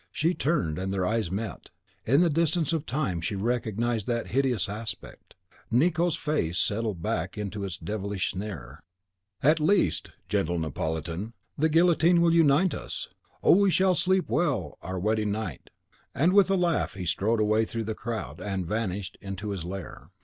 She turned, and their eyes met. Through the distance of time she recognised that hideous aspect. Nicot's face settled back into its devilish sneer. "At least, gentle Neapolitan, the guillotine will unite us. Oh, we shall sleep well our wedding night!" And, with a laugh, he strode away through the crowd, and vanished into his lair.